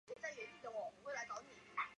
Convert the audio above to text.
原城内主要建筑有县署等。